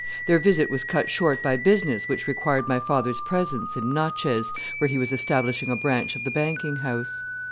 Their visit was cut short by business which required my father's presence in Natchez, where he was establishing a branch of the bankinghouse.